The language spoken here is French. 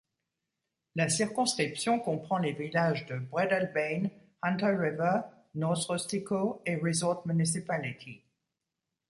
La circonscription comprend les villages de Breadalbane, Hunter River, North Rustico et Resort Municipality.